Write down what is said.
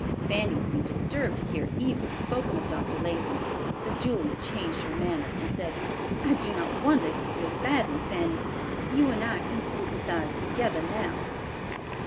Fanny seemed disturbed to hear evil spoken of Dr. Lacey, so Julia changed her manner, and said, "I do not wonder you feel badly, Fanny. You and I can sympathize together now."